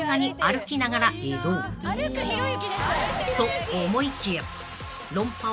［と思いきや論破